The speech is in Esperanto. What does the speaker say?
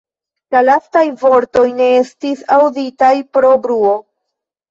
La lastaj vortoj ne estis aŭditaj pro bruo.